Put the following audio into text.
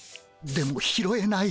でも拾えない。